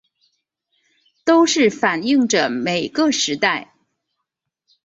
都是反映著每个时代